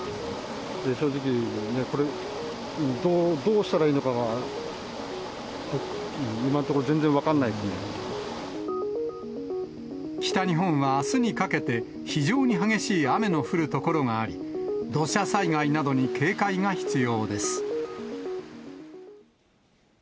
正直、これ、どうしたらいいのかが今のところ、北日本はあすにかけて、非常に激しい雨の降る所があり、土砂災害などに警戒が必要です。